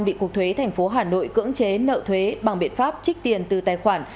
bị cục thuế thành phố hà nội cưỡng chế nợ thuế bằng biện pháp trích tiền từ tài khoản